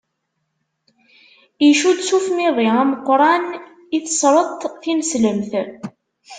Icudd s ufmiḍi ameqqran i tesreṭ tineslemt.